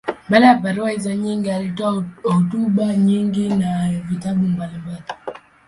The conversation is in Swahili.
Mbali ya barua hizo nyingi, alitoa hotuba nyingi na vitabu mbalimbali.